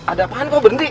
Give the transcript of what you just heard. ada apaan kok berhenti